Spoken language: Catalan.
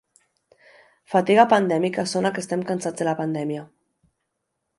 Fatiga pandèmica sona que estem cansats de la pandèmia.